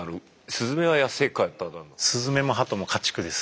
スズメもハトも家畜です。